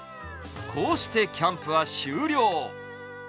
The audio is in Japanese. こうしてキャンプは終了。